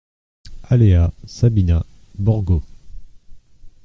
Allée A Sabina, Borgo